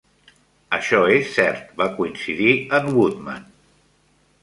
"Això és cert", va coincidir en Woodman.